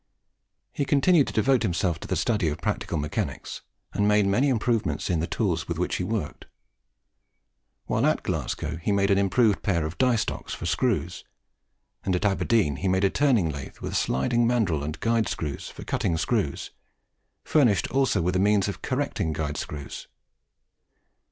He continued to devote himself to the study of practical mechanics, and made many improvements in the tools with which he worked. While at Glasgow he had made an improved pair of die stocks for screws; and, at Aberdeen, he made a turning lathe with a sliding mandrill and guide screws, for cutting screws, furnished also with the means for correcting guide screws.